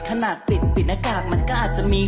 ขนาดติดหน้ากากมันก็อาจจะมี